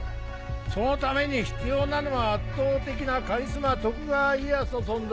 そのために必要なのは圧倒的なカリスマ徳川家康の存在。